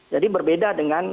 jadi berbeda dengan